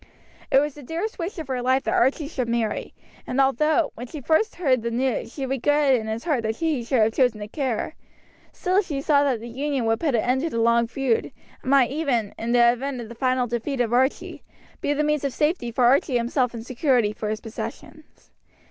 It was the dearest wish of her life that Archie should marry; and although, when she first heard the news, she regretted in her heart that he should have chosen a Kerr, still she saw that the union would put an end to the long feud, and might even, in the event of the final defeat of Bruce, be the means of safety for Archie himself and security for his possessions.